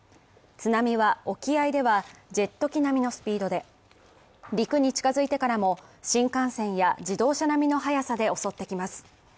津波は沖合ではジェット機並みのスピードで陸に近づいてからも、新幹線や自動車並みの速さで襲ってきます